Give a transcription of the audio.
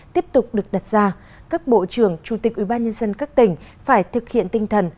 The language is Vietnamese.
tiếp tục được đặt ra các bộ trưởng chủ tịch ủy ban nhân dân các tỉnh phải thực hiện tinh thần